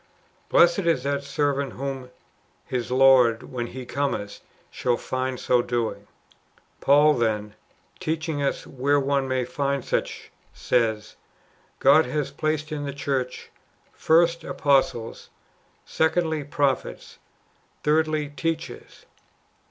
Blessed is that servant whom his Lord, when He cometh, shall find so doing." *^ Paul then, teaching us where one may find such, says, ^' God hath placed in the church, first, apostles ; secondly, prophets; thirdly, teachers."